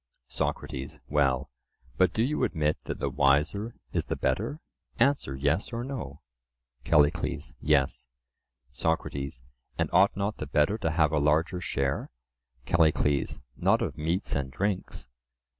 SOCRATES: Well, but do you admit that the wiser is the better? Answer "Yes" or "No." CALLICLES: Yes. SOCRATES: And ought not the better to have a larger share? CALLICLES: Not of meats and drinks.